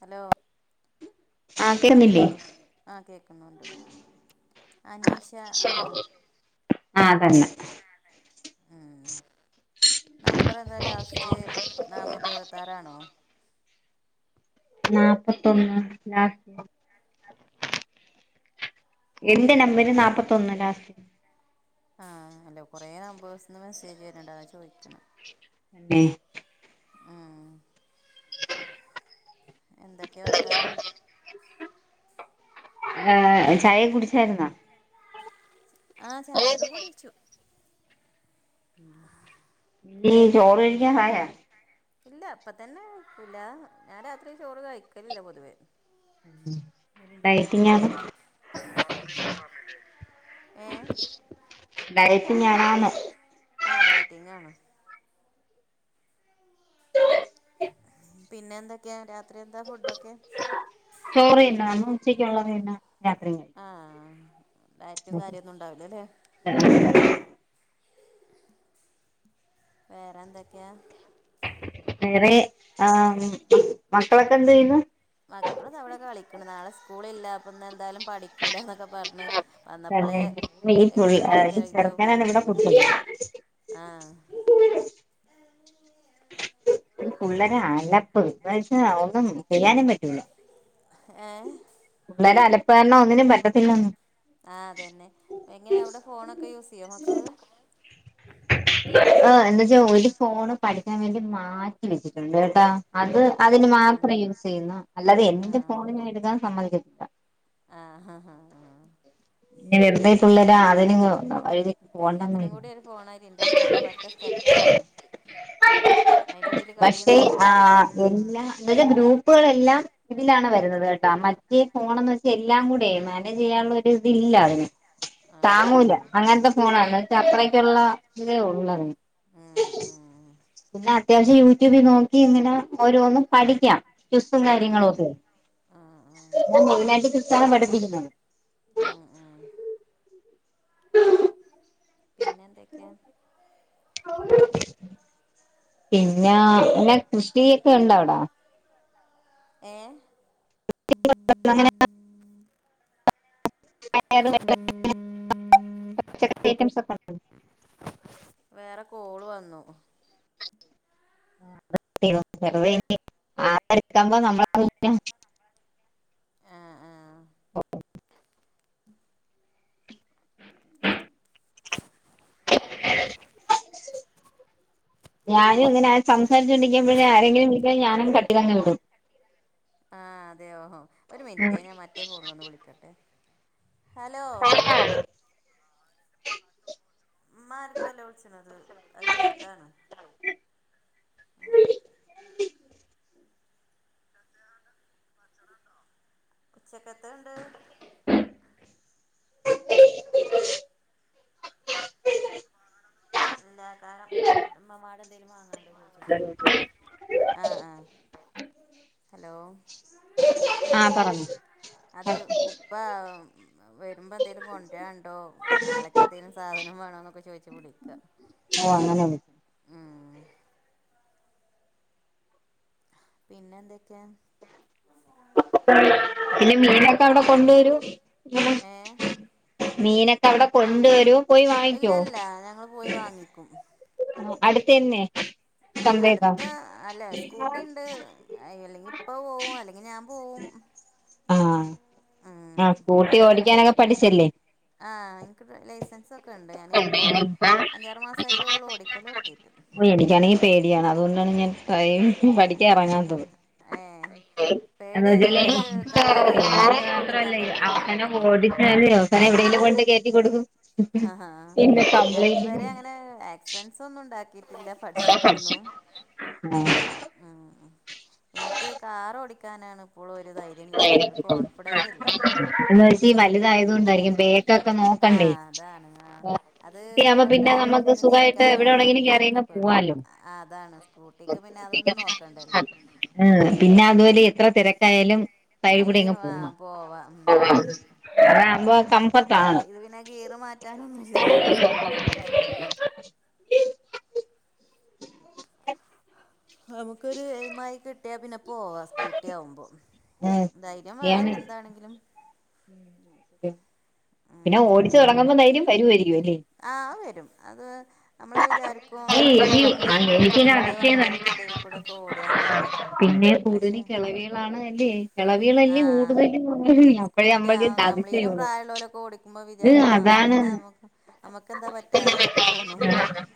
Hello ആഹ് ആഹ് കേക്കുന്നുണ്ട് അനീഷ് റ്റ ആണോ ആഹ് അതന്നെ ആഹ് അതേ ആഹ് നമ്പർ എന്താ ലാസ്റ്റ് നാന്നൂറ്റി എഴുവത്താറാണോ നാപത്തൊന്ന് ലാസ് എന്റെ നമ്പര് നാപ്പത്തൊന്ന് ലാസ്റ്റ് ആഹ് അല്ലോ കൊറേ നമ്പേഴ്സ്ന്ന് മെസ്സേജ് വര്ന്ണ്ട് അതാ ചോയ്ക്ക്ണ് ഉം ഉം എന്തക്കെ വർത്താനം ഏ ചായക്കെ കുടിച്ചാരുന്നോ ആഹ് ചായൊക്കെ കുടിച്ചു ഉംമ് ടീ ചോറ് കഴിക്കാറായാ ഇല്ല ഇപ്പ തന്നെഴ്ക്കൂല ഞാൻ രാത്രി ചോറ് കഴിക്കലില്ല പൊതുവേ തന്നെ ഡയറ്റിങ് ആണ് ഏഹ് ഡയറ്റിങ് ആണോന്ന് ആഹ് ഡാറ്റിംഗ് ആണ് പിന്നെ എന്തൊക്കെയാ രാത്രി എന്താ ഫുഡൊക്കെ ചോറ്യന്നാന്ന് ഉച്ചയ്ക്കുള്ളത് തന്നാ രാത്രിയില് ആഹ് ഡയറ്റും കാര്യൊന്നും ഉണ്ടാവൂല ലേ [unintelligible] വേറെന്തൊക്കെയാ വേറെ ആം മ മക്കളൊക്കെ എന്ത് ചെയ്യുന്ന് മക്കള് ദാ അവടെ കളിക്ക്ണ് നാളെ സ്കൂളില്ലാ അപ്പന്ന് എന്തായാലും പഠിക്കൂലാന്നൊക്കെ പറഞ് തന്നെ വന്നപ്പളേ ഈ പുൾ എഗ്രിമെന്റ് ഒക്കെ ഈ എഴുതി ചെറുക്കനാണ് ഇവിടെ ഒപ്പിട്ട്ക്ക്ണ് കുട്ടികള് ആഹ് ഈ പുള്ളരെ അലപ്പ് ഇപ്രാവശ്യം ഒന്നും ചെയ്യാനും പറ്റി ല്ല ഏഹ് പിള്ളാരെ അലപ്പ് കാരണം ഒന്നിനും പറ്റത്തില്ലാന്ന് ആഹ് അതന്നെ എങ്ങനെ അവടെ ഫോണൊക്കെ യൂസ് ചെയ്യോ മക്കള് ആഹ് എന്നാ ജോലി ഫോണ് പഠിക്കാൻ വേണ്ടി മാറ്റി വെച്ചിട്ടുണ്ട് കെട്ടാ അത് അതിന് ആഹ് മാത്രേ യൂസ് ചെയ്യുന്നു അല്ലാതെ എന്റെ ആഹ് ഫോണിന് എഴുതാൻ സമ്മതിക്കത്തില്ല ആഹ് ഹ ഹ ആഹ് ഇനി ഇതെന്താ ഈ പിള്ളേരെ ആ [unintelligible] ബെയ്‌ലിങ് വന്നാ വഴിതെ പോണ്ടാന്ന് ഇതെല്ലാത്തിനും കൂടി ഒരു ഫോണായിട്ട് ഇന്റെ ഫോണ് പറ്റെ സ്റ്റക്കായി [unintelligible] അയിന്റെ എടേല് കളി പക്ഷെ ആ നടക്ക്ണ്‌ണ്ട് എല്ലാ ഇവരെ ഗ്രൂപ്പുകളെല്ലാം ഇതിലാണ് വരുന്നത് കെട്ടാ മറ്റേ ഫോണന്ന് വച്ചാ എല്ലാം കൂടെ മാനേജ് ചെയ്യാള്ള ഒര് ഇതില്ല അതിന് താങ്ങൂല ആഹ് അങ്ങനത്തെ ഫോണാണ് അത്രക്കുള്ള ഇതേ ഉള്ളതിന് ഉം ഉം പിന്നെ അത്യാവശ്യം യൂട്യൂബ് നോക്ക ഇങ്ങനെ ഓരോന്നും പഠിക്കാം കാര്യങ്ങളും ആഹ് ഒക്കെ ആഹ് ആഹ് [unintelligible] ആഹ് ആഹ് പിന്നെ എന്തൊക്കെ പിന്നെ അല്ല കൃഷിയൊക്കെ ഉണ്ടോ അവിടെ ഏഹ് പച്ചക്ക ഐറ്റംസ് ഒക്കെ ഉണ്ട വേറെ കോള് വന്നു [unintelligible] ആഹ് ആഹ് ആ ഞാനും അങ്ങനെ സംസാരിച്ചൊണ്ടിരിക്കുമ്പോഴേ ആരെങ്കിലും ഞാനും കട്ടി തങ്ങ വിടും ആഹ് അതെയ ഓഹോ ഒരു മിനിറ്റ് ഞാൻ മറ്റേ ഫോണിലൊന്ന് വിളിക്കട്ടെ ഹലോ മ്മാ ആർക്കല്ല വിളിച്ചണത് അതിന്റെടുത്താണ് ഉച്ചക്ക എത്തണ്ട് എന്താ കാരം മമ്മമാടെ എന്തേങ്കലും വാങ്ങാണ്ട അ ആഹ് ആഹ് ഹലോ ആഹ് പറ അത് ഉപ്പ വരുമ്പോ എന്തേങ്കലും കൊണ്ടണ്ടോ നാളെക്ക് എന്തേങ്കലും സാധനം വേണോ എന്നൊക്കെ ചോദിച്ചു വിളിക്കാ ഓഹ് അങ്ങനെ ഉം പിന്നെ എന്തൊക്കെയാ പിന്നെ മീനൊക്കെ അവിടെ കൊണ്ടുവരു ഏഹ് മീനൊക്കെ അവിടെ കൊണ്ടുവരും പോയി ഇല്ല വാങ്ങിക്കുവോ ഇല്ല ഞങ്ങള് പോയി വാങ്ങിക്കും അടുത്ത ന്നെ അടുത്ത അല്ലെ സ്കൂട്ടിണ്ട് അല്ലെങ്കി ഇപ്പ പോവും അല്ലെങ്കിൽ ഞാൻ പോവും ആഹ് ഉം ആഹ് സ്കൂട്ടി ഓടിക്കാനൊക്കെ പഠിച്ചല്ലേ ആഹ് ഇൻക്ക് ലൈസൻസ ഒക്കെ ഉണ്ട് ഞാന ഇപ്പോ ഇപ്പം അഞ്ചാറ് മാസയിട്ടള്ള ഓടിക്കല് ഓട്ത്തിയിട്ട് പേടിക്കാണെങ്കിൽ പേടിയാണ് അതുകൊണ്ടാണ് ഞാൻ ഡ്ര പഠിക്ക ആഹ് ഏഹ് [unintelligible] [unintelligible] ഓടിക്കാൻ പേടിയാണ് ഇപ്പോഴും കൊണ്ട് കേറ്റി കൊടുക്കും ആഹ് ആഹ് പിന്നെ ഞാന കംപ്ലൈന്റ് ഇതുവരെ അങ്ങനെ ആക്സിഡന്റ്സ് ഒന്നും ഉണ്ട ക്കിട്ടില്ല പഠിച്ചിട്ടൊന്നും ഉം ഉം എനിക്ക് കാർ ഓടിക്കാനാണ് ഇപ്പോള ഒരു ധൈര്യം കിട്ടാതെ എടുക്കോൺ എന്ന വെച്ച വലുതായത്കൊണ്ടായിരിക്കും ബേക്കൊക്കെ നോക്കണ്ടേ ആഹ് അതാണ് ആഹ് അത് ഊട്ടിയാവുമ്പോ പിന്നെ എവിടെന്ന് നമുക്ക് ചെന്ന് സുഖമായിട്ട് എവിടെ തിരിക്കാനും വേണെങ്കിലും മറിക്കാനും ഒക്കെ കേറിയങ്ങ് പേട പോവാലോ ആഹ് അതാണ് സ്കൂട്ടിക്ക് പിന്നെ അതൊന്നന്ന് നോക്കണ്ടല്ലോ ആഹ് പിന്നെ അതൊരു എത്ര തിരക്കായാലും സൈഡ് കൂടെ അയില് അങ്ങ് പോവാ ആഹ് ഉം അതാകുമ്പോ കംഫർട്ട ആണ് കിട്ടാനൊന്നുല്ലല്ലോ സ്കൂട്ടിക്ക് നമുക്കൊരു എയ്മായി കിട്ട്യ പിന്നെ പോവാ കൂട്ട്യാവുമ്പോ ഉം ധൈര്യം വാണം എന്താണെങ്കിലും ഉം പിന്നെ ഓടിച്ചൊടങ്ങമ്പം ദൈര്യം വരുവായിയിരിക്കും അല്ലേ ആഹ് വരും അത് അമ്മള് വിചാര്ക്കും അല്ലേ അങ്ങനെ ഈ നമ്മള് മെയിൻ ഈ റോട്ട്ല് എനിക്കൊരു കൊറേ ആശയംതന്നെ വണ്ട്യാൾക്കിടേൽ കൂടെക്കോട ന്നൊക്കെ കൂടുൽ കെളവ്യാളാണ് അല്ലേ കെളെവ്യാളന്നെ ആഹ് കൂടുതലു [unintelligible] ള്ളോലൊക്കെ ഓടിക്കുമ്പം അതാണ് പറ്റായി എന്നൊക്കെ തോന്നും [unintelligible]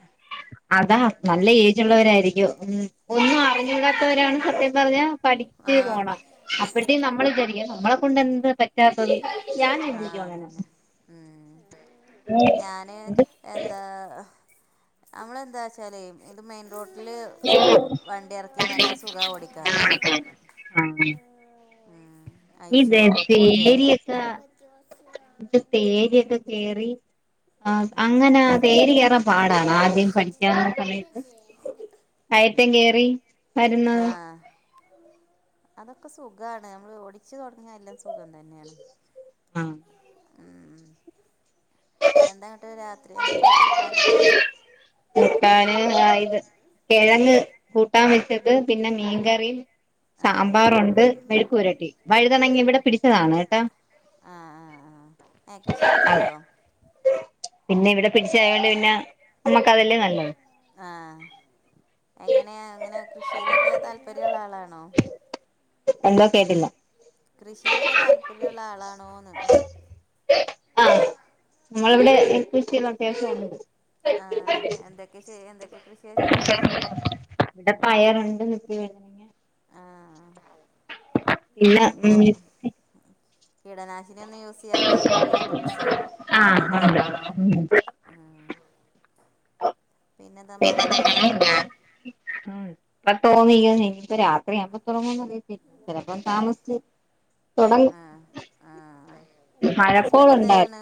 അതാ നല്ല ഏജുള്ളവരായിരിക്കും ഉം ഒന്നും അറിഞ്ഞുടാത്തവരാണ് സത്യം പർഞ്ഞ പഠിച്ച് ആ പോണെ അപ്പഴ്ത്തേം നമ്മള് വിജാരിക്കും നമ്മളെ കൊണ്ട് എന്ത് പ ആഹ് അതന്നെ ഉം ഞാന് എന്താ നമ്മളെന്താച്ചാലെ ഇത് മെൻ റോട്ല് വണ്ടി എർക്ക്യാ നല്ല സുഖാ ഓടിക്കാന് ഉം ഐശുവോ [unintelligible] ഫോണ് തരില്ല പേടിയൊക്ക ഇൻക് പേട്യൊക്കെ കേറി ആ അങ്ങനെ തേര് കേറാൻ പാടാണ് ആദ്യം ആഹ് കയ്റ്റം കേറി വരുന്നത് ആഹ് അതൊക്കെ സുഖാണ് നമ്മള് ഓടിച്ച് തൊടങ്ങ്യാ എല്ലം സുഖം തന്ന്യേണ് ആഹ് ഉം എന്താന്ന്ട്ട് രാത്രി എന്ത കൂട്ടാനൊക്കെ കൂട്ടാന് ആഹ് ഇത് കിഴങ്ങ് കൂട്ടാൻ വെച്ചത് പിന്നെ മീൻകറിം ആ സാമ്പാറൊണ്ട് മെക്കുവരട്ടി വഴ്തനങ്ങ ഇവിടെ പിടിച്ചതാണ് കെട്ടാ ആഹ് ആഹ് ഏഹ് കൃഷ്യൊക്കെ ചെയ്യോ പിന്നെ ഇവിടെ പിടിച്ചെയായാല് പിന്ന നമ്മുക്ക് അതെല്ലെ നല്ലത് ആഹ് എങ്ങനെയ അങ്ങനെ കൃഷീലൊക്കെ താല്പര്യള്ള ആളാണോ എന്തോ കേട്ടില്ല കൃഷീലൊക്കെ താല്പര്യള്ള ആളാണോന്ന് ആഹ് നമ്മളിവിടെ എഹ് കൃഷ്യൊക്കെ അത്യാവശ്യൊണ്ട് ആഹ് എന്തൊക്കെ ചെയ്യ എന്തൊക്കെ കൃഷിയാ ചെയ്ണത് ഇവ്ടെ പയറൊണ്ട് വിത്ത് ആഹ് ഇല്ല അപ്പൊ ഉം കീടനാശ് ഇനി ഒന്നും യൂസിയ്യാത്ത വെജിറ്റബിൾസ് ആഹ് കൂട്ടാലേ ഉണ്ട് ഉം പിന്നെന്താ മഴണ്ടോ ഇപ്പ തോന്നി ഇനിയിപ്പ രാത്രിയാവുമ്പോ തൊടങ്ങൂന്ന് അറിയത്തില്ല ചെലപ്പം താമസ്ച്ച് തൊടങ് ഹസ്ബന്റെന്തായ്യണ്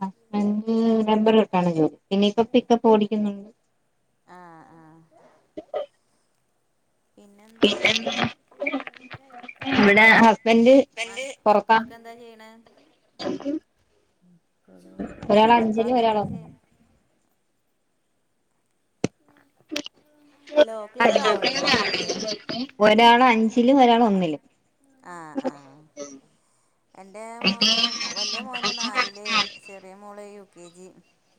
ഹസ്ബന്റ് റബ്ബർ വെട്ടാണ് ജോലി പിന്നെ ഇപ്പ പിക്കപ്പ് ഓടിക്കുന്നൊണ്ട് ആഹ് ആഹ് പിന്നെന്താ പിന്നെ ഇവിടെ ഹസ്ബൻഡ് പുറത്താ മക്കളൊക്കെന്താ ചെയ്ണ ഒരാൾ അഞ്ചിലും മക്കളൊക്കെ ഒരാൾ എന്താ ചെയ് ഒന്നിലും ഹലോ ക്ലിയർ ആവണില്ലേ ശരിക്ക് ഒരാള് അഞ്ചിലും ഒരാള് ഒന്നിലും ആഹ് ആഹ് എന്റെ മോന് വല്ല്യ മോന് നാലില് ച് എറിയെ മോള് U K G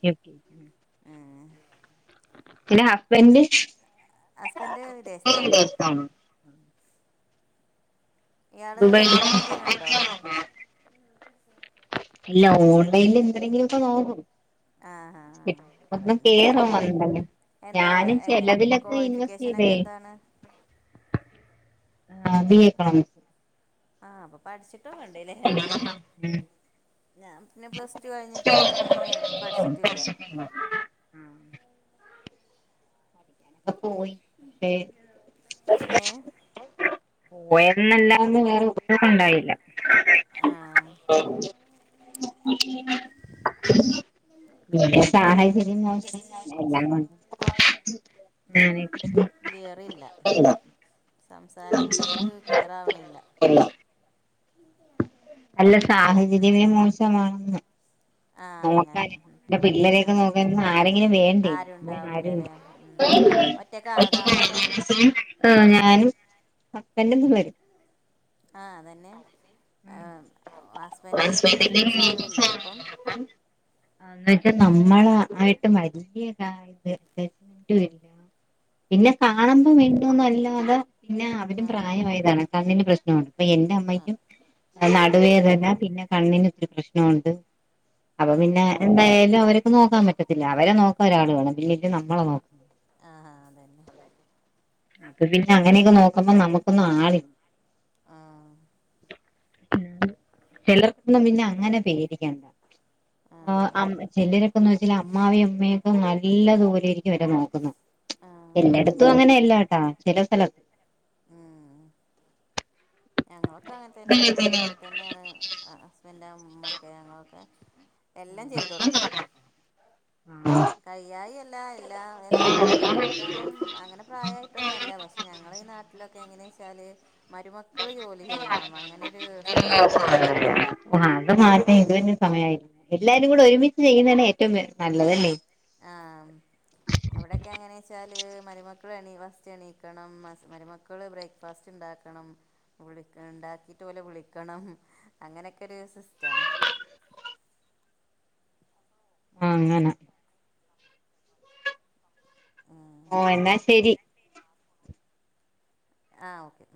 K G ഏഹ് ന്നെ ഹസ്ബൻഡ് ഹസ്ബൻഡ് വിദേശത്താണ് ദേശത്താണോ ഇയാള് ദുബൈ വർക്ക് ചെയ്യണുണ്ടോ [inaudible] ഇല്ല ഓൺലൈനിൽ എന്തെരെലൊക്കെ നോക്കും ആഹ് ആഹ് ഒന്നും അതന്നെ കേറ ഞാനും വന്നല്ല എന്താ ഞാനും എങ്ങെ ചെലതിലൊക്കെ ഇൻവെസ്റ്റ് ചെയ്തേ ക്വാളിഫിക്കേഷനൊക്കെ എന്താണ് [unintelligible] കൊണോമിക്സ് ആഹ് അപ്പൊ പഠിച്ചിട്ടൊക്കണ്ട്ലേ ഞാൻ ന്നെ പ്ലസ് ടു കഴിഞ്ഞിട്ട് പിന്നെ പഠിച്ചിട്ടില്ല പഠിച്ചിട്ടുണ്ട്. ടെ പോവും പഷേ ഏഹ് പോയെന്നല്ലാതെ വേറൊന്നുണ്ടായില്ല ആഹ് സാ [inaudible] [unintelligible] ഇത് ക്ലിയർല്ല സംസാരം ശരിക്ക് ക്ലിയർ ആവണില്ല. ഉല്ല അല്ല സാഹചര്യ മോശമാണെ ആഹ് അങ്ങനെ ആ പിള്ളേരെയൊക്കെ നോക്കാൻ ആരെങ്കിലും വേണ്ടേ ആരും ആരുണ്ടാവില്ലല്ലേ? ഒറ്റക്കണോ താമസം? ആഹ് ഞാനും ഹബന്റും ഇപ്പവരും. ആഹ് അതന്നെ ഹസ്ബൻഡിന്റെ എന്ന് റിലേറ്റീവ്സ് ആരുല്ലോ ഒപ്പം. അന്നിട്ട് നമ്മളായിട്ട് [unintelligible] പിന്നെ കാണുമ്പം മിണ്ടുംന്നല്ലാതെ പിന്നെ അവരും ആഹ് പ്രായമായതാണ് കണ്ണിന് പ്രശ്നം ആണ് അപ്പൊ എന്റെ അമ്മയ്ക്കും ആഹ് നടുവേതന്ന പിന്നെ കണ്ണിന് ഒത്തിരി പ്രശ്നംണ്ട് അപ്പൊ പിന്നെ ആഹ് എന്തായാലും അവർക്ക് നോക്കാൻ പറ്റത്തില്ല അവരെ നോക്കാ ഒരാൾ വേണം പിന്നല നമ്മളെ നോക്ക ആഹ് അതന്നെ അപ്പൊ പിന്നെ അങ്ങനെയൊക്കെ നോക്കുമ്പോ നമ്മുക്കൊന്നും ആളില്ല. ആഹ് ചെലർക്കൊന്നും പിന്നെ അങ്ങനെ പേരിക്കണ്ട. ആഹ് ചെല്രെക്കെന്ന് വെച്ചാല് അമ്മായിയ അമ്മയൊക്കെ നല്ലതുലൊയിരിക്കും അവരെ നോക്കുന്നു ആഹ് എല്ലാര ു അങ്ങനെയല്ലാട്ടാ ചെല സ്ഥലത്ത് ഉം ഞങ്ങളൊക്കെ അങ്ങനെ തന്നെ ഞങ്ങളെ വീട്ടിൽ തന്നെയാണ് ഹസ്ബൻഡ് അമ്മൊക്കെ ഞങ്ങളൊക്കെ എല്ലം ചെയ്തൊടുക്കണം കഴിയായില്ല എല്ലാ എല്ലാ പണിയും എടുക്കാനും അങ്ങനെ പ്രായയിട്ടൊന്നല്ല പക്ഷെ ഞങ്ങള ഈ നാട്ടിലൊക്കെ എങ്ങനെ ച്ചാല്. മരുമക്കള് ജോലി ചെയ്യണം അങ്ങനെരു സമ്പ്രദായം. ആഹ് അത് മാറ്റാൻ ഇതുവരെ സമയമായില്ല എല്ലാരും കൂടെ ഒരുമിച്ച് ചെയ്യുന്നതാണ് ഏറ്റവും നല്ലതല്ലേ? ആഹ് അവിടെയൊക്കെ എങ്ങനെച്ചാല് മരുമക്കൾ എണ ഫസ്റ്റ് എണീക്കണം മരുമക്കള് ബ്രേക്ക് ഫസ്റ്റ് ണ്ടാക്കണം വിളിക്ക ഉണ്ടാക്കീട്ട് ഓലെ വിളിക്കണം അങ്ങനെയൊക്കെ ഒരു സിസ്റ്റണ്. ഉം ഉം ഓഹ് എന്നാ ശരി ആഹ് ഓക്കെ